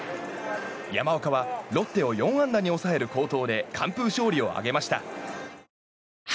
山岡はロッテを４安打に抑える好投で、完封勝利を挙げました。